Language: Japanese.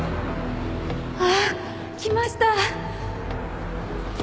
あっ。来ました